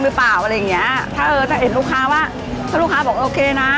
หรือเปล่าอะไรอย่างเงี้ยถ้าเออถ้าเห็นลูกค้าว่าถ้าลูกค้าบอกโอเคนะ